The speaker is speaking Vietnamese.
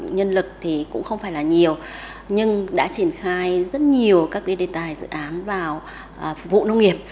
nhân lực thì cũng không phải là nhiều nhưng đã triển khai rất nhiều các đề tài dự án vào phục vụ nông nghiệp